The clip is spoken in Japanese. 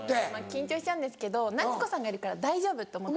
緊張しちゃうんですけど夏子さんがいるから大丈夫と思って。